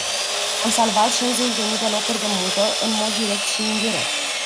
Am salvat șaizeci de mii de locuri de muncă, în mod direct și indirect.